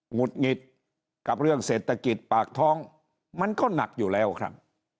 หุดหงิดกับเรื่องเศรษฐกิจปากท้องมันก็หนักอยู่แล้วครับ